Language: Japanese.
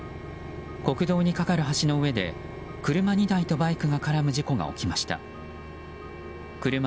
国道に架かる橋の上で車２台とバイクが絡む事故が起きました。